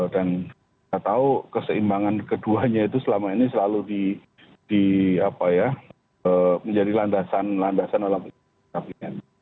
dan kita tahu keseimbangan keduanya itu selama ini selalu menjadi landasan landasan dalam resapel